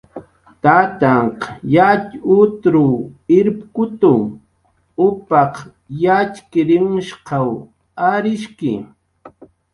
Tantanhq yatxutruw irpkutu, upaq yatxchirinhshqaw arisht'ki